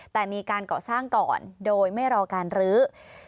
แต่มีการก่อสร้างก่อนโดยไม่รอการรื้อ